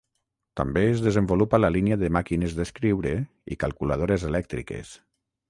També, es desenvolupa la línia de màquines d'escriure i calculadores elèctriques.